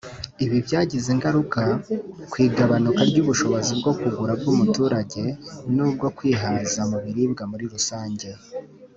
“Ibi byagize ingaruka ku igabanuka ry’ubushobozi bwo kugura bw’umuturage n’ubwo kwihaza mu biribwa muri rusange